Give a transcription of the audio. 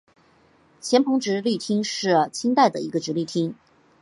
黔彭直隶厅是清代的一个直隶厅。